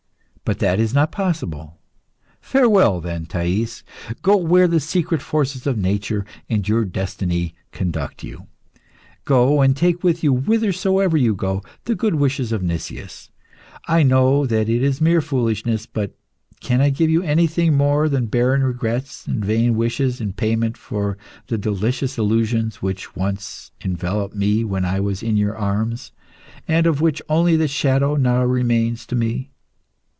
But that is not possible. Farewell, then, Thais! Go where the secret forces of nature and your destiny conduct you! Go, and take with you, whithersoever you go, the good wishes of Nicias! I know that is mere foolishness, but can I give you anything more than barren regrets and vain wishes in payment for the delicious illusions which once enveloped me when I was in your arms, and of which only the shadow now remains to me?